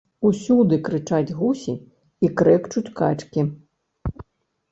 Усюды крычаць гусі і крэкчуць качкі.